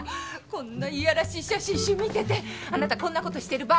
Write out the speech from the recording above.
こんないやらしい写真集見ててあなたこんな事してる場合？